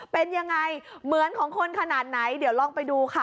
เป็นยังไงเหมือนของคนขนาดไหนเดี๋ยวลองไปดูค่ะ